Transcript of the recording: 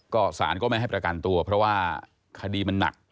ก็สารก็ไม่ให้ประกันตัวเพราะว่าคดีมันหนัก